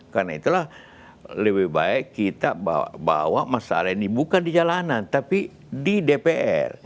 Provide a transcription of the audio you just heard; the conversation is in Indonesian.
karena itulah lebih baik kita bawa masalah ini bukan di jalanan tapi di dpr